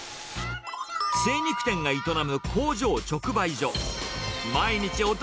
精肉店が営む工場直売所。